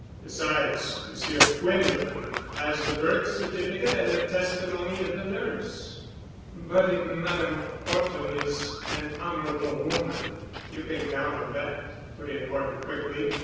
Besides, Monsieur Quinlevin has the birth certificate and the testimony of the nurse." "But if Madame Horton is an honorable woman——" "You can count on that," put in Horton quickly.